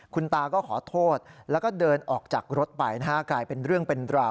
คุณตาก็ขอโทษแล้วก็เดินออกจากรถไปนะฮะกลายเป็นเรื่องเป็นราว